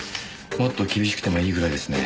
もっと厳しくてもいいぐらいですね。